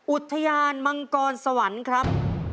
อุทยานมังกรสวรรค์ครับ